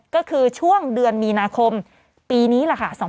ก็คือช่วงเดือนมีนาคมปีนี้แหละค่ะ